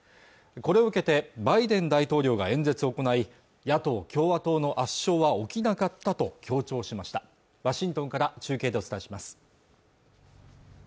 これを受けてバイデン大統領が演説を行い野党・共和党の圧勝は起きなかったと強調しましたワシントンから中継でお伝えします